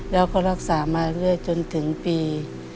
แล้วก็รักษามาเรื่อยจนถึงปี